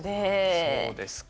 そうですか。